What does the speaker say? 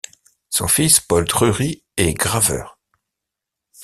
Son fils, Paul Drury, est graveur.